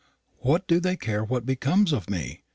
"What do they care what becomes of me?"